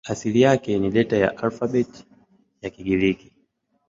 Asili yake ni Delta ya alfabeti ya Kigiriki.